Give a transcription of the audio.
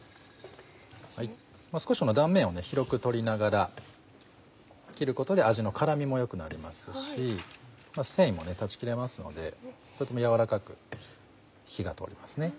少しこの断面を広く取りながら切ることで味の絡みもよくなりますし繊維も断ち切れますのでとても軟らかく火が通りますね。